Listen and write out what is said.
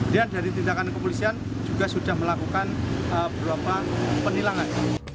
dan dari tindakan kepolisian juga sudah melakukan beberapa penilangan